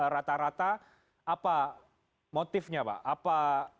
rata rata apa motifnya pak